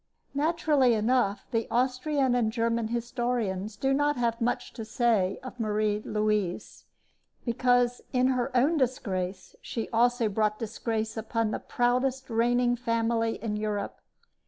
Naturally enough, the Austrian and German historians do not have much to say of Marie Louise, because in her own disgrace she also brought disgrace upon the proudest reigning family in Europe.